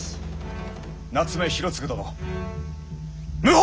夏目広次殿謀反！